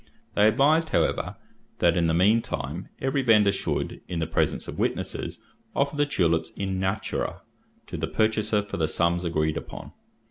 They advised, however, that, in the mean time, every vendor should, in the presence of witnesses, offer the tulips in natura to the purchaser for the sums agreed upon.